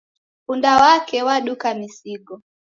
Punda wake waduka misigo